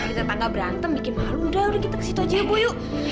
bukan ibu nyampe tetangga berantem bikin malu udah udah kita ke situ aja bu yuk